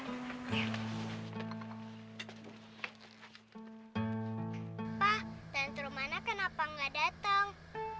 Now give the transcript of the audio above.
pak tante romana kenapa gak datang